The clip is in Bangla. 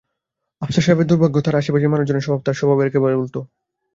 আফসার সাহেবের দুর্ভাগ্য, তাঁর আশেপাশের মানুষজনের স্বভাব তাঁর স্বভাবের একেবারে উল্টো।